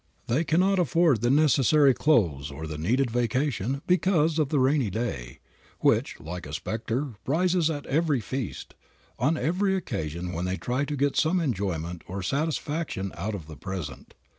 They cannot afford the necessary clothes or the needed vacation because of the rainy day, which, like a specter, rises at every feast, on every occasion when they try to get some enjoyment or satisfaction out of the present.